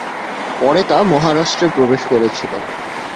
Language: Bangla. পরে তা মহারাষ্ট্রে প্রবেশ করেছিল।